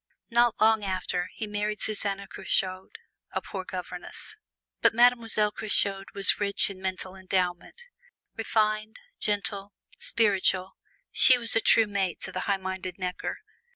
Not long after, he married Susanna Curchod, a poor governess. But Mademoiselle Curchod was rich in mental endowment: refined, gentle, spiritual, she was a true mate to the high minded Necker.